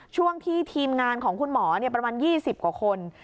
ช่วงที่ทีมงานของคุณหมอประมาณ๒๐กว่าคน